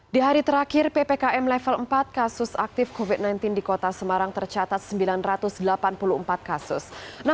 di hari terakhir ppkm level empat kasus aktif covid sembilan belas di kota semarang tercatat sembilan ratus delapan puluh empat kasus